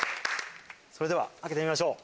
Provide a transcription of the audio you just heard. それでは開けてみましょう。